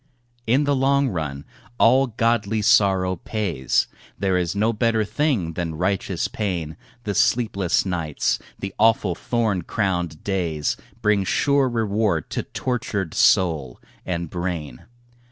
In the long run all godly sorrow pays, There is no better thing than righteous pain, The sleepless nights, the awful thorn crowned days, Bring sure reward to tortured soul and brain.